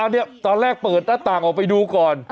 เนี่ยตอนแรกเปิดหน้าต่างออกไปดูก่อน